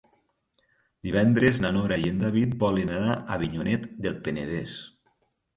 Divendres na Nora i en David volen anar a Avinyonet del Penedès.